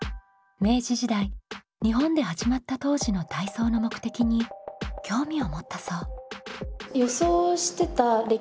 明治時代日本で始まった当時の体操の目的に興味を持ったそう。